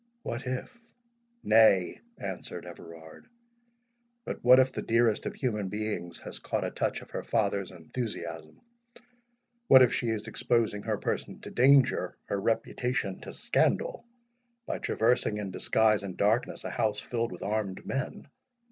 —what if"— "Nay," answered Everard, "but what if the dearest of human beings has caught a touch of her father's enthusiasm?—what if she is exposing her person to danger, her reputation to scandal, by traversing in disguise and darkness a house filled with armed men?